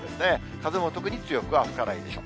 風も特に強くは吹かないでしょう。